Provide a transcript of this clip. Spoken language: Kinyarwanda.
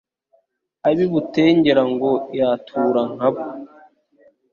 Ab'i Butengera ngo yatura nka bo.